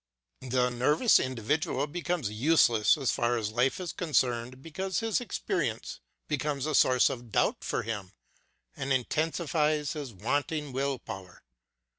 The nervous individual becomes useless as far as life is concerned because his experience be comes a source of doubt for him and intensifies his wanting will power.